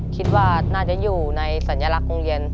คิดว่าน่าจะอยู่ในสัญลักษณ์โรงเรียน